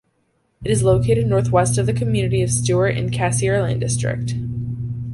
It is located northwest of the community of Stewart in Cassiar Land District.